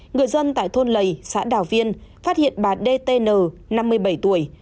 người dân tại thôn lầy xã đào viên phát hiện bà đê tê nờ năm mươi bảy tuổi